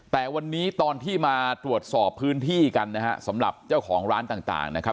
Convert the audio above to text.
แต่วันนี้ตอนที่มาตรวจสอบพื้นที่กันนะฮะสำหรับเจ้าของร้านต่างนะครับ